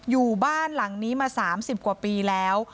อยู่บ้านหลังนี้มา๓๐กว่าปีแล้ว